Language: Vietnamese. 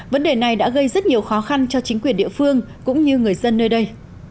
vấn đề này đã gây rất nhiều khó khăn cho chính quyền địa phương cũng như người dân nơi đây